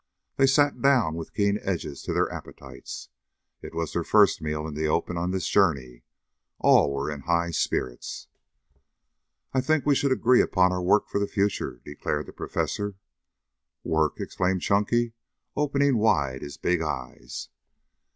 They sat down with keen edges to their appetites. It was their first meal in the open on this journey. All were in high spirits. "I think we should agree upon our work for the future," declared the Professor. "Work?" exclaimed Chunky, opening wide his big eyes.